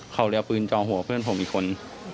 เขาเลยเอาปืนจองหัวเพื่อนผมอีกคน